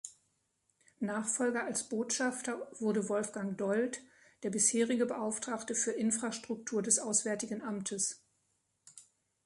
Nachfolger als Botschafter wurde Wolfgang Dold, der bisherige Beauftragte für Infrastruktur des Auswärtigen Amtes.